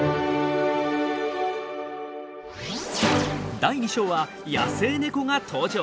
第２章は野生ネコが登場！